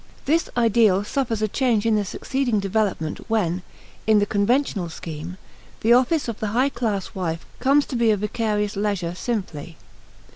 This ideal suffers a change in the succeeding development, when, in the conventional scheme, the office of the high class wife comes to be a vicarious leisure simply.